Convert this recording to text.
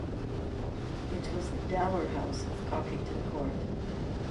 It was the Dower House of Cockington Court.